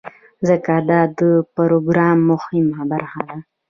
ځکه دا د پروګرام مهمه برخه ده.